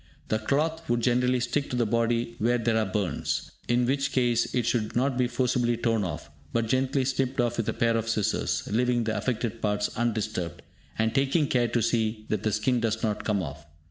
The cloth would generally stick to the body where there are burns, in which case it should not be forcibly torn off, but gently snipped off with a pair of scissors, leaving the affected parts undisturbed, and taking care to see that the skin does not come off.